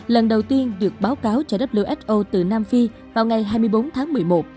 lần đầu tiên được báo cáo cho who từ nam phi vào ngày hai mươi bốn tháng một mươi một